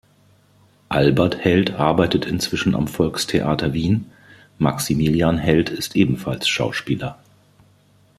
Albert Held arbeitet inzwischen am Volkstheater Wien, Maximilian Held ist ebenfalls Schauspieler.